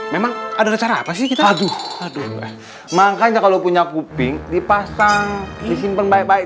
memang ada acara apa sih kita aduh aduh makanya kalau punya kuping dipasang disimpan baik baik